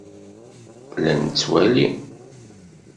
La nettwali.